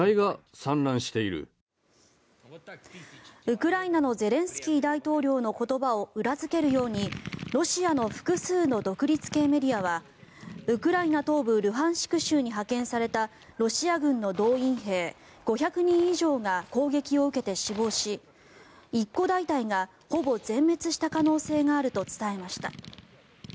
ウクライナのゼレンスキー大統領の言葉を裏付けるようにロシアの複数の独立系メディアはウクライナ東部ルハンシク州に派遣されたロシア軍の動員兵５００人以上が攻撃を受けて死亡し１個大隊がほぼ全滅した可能性があると伝えました。